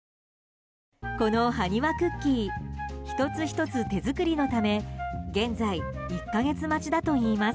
このハニワクッキー１つ１つ手作りのため現在、１か月待ちだといいます。